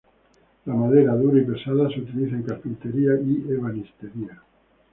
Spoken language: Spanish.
La madera, dura y pesada, se utiliza en carpintería y ebanistería.